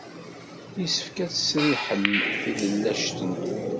Yessefk ad tesriḥem tilellac-nni.